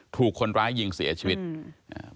ถูกคนร้ายยิงเสียชีวิตอืมอ่า